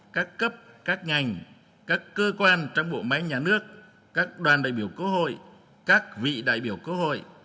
các cấp các ngành các cơ quan trong bộ máy nhà nước các đoàn đại biểu quốc hội các vị đại biểu quốc hội